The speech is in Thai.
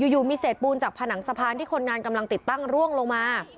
อยู่มีเศษปูนจากผนังสะพานที่คนงานกำลังติดตั้งร่วงลงมา